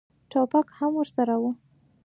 ټوپک هم ورسره و.